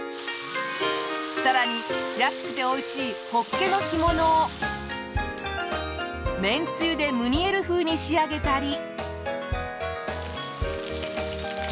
さらに安くておいしいホッケの干物を麺つゆでムニエル風に仕上げたり。